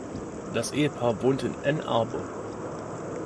Das Ehepaar wohnt in Ann Arbor.